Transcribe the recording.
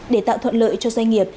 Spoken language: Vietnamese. để tạo thuận lợi cho doanh nghiệp